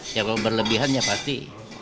ya kalau berlebihan ya pasti